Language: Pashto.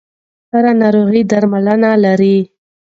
هره ناروغي درملنه لري.